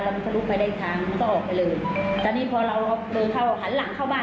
แล้วมันสรุปไปอีกทางก็ออกไปเลยตอนนี้พอเราเดินเข้าหันหลังเข้าบ้าน